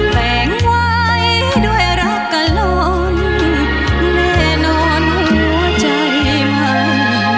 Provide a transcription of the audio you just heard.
แต่งไว้ด้วยรักกันร้อนแน่นอนหัวใจมัน